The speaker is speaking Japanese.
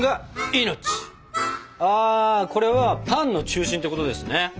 ああこれはパンの中心ってことですね？